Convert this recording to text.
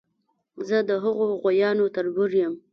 زه د هغو غوایانو تربور یم.